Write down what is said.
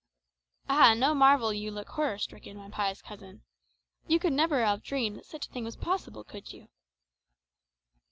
Ah, no marvel you look horror stricken, my pious cousin. You could never have dreamed that such a thing was possible, could you?"